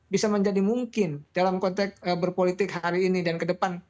bisa menjadi mungkin dalam konteks berpolitik hari ini dan ke depan